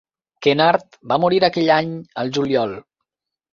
Kennard va morir aquell any al juliol.